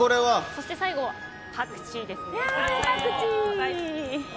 そして最後にパクチーですね。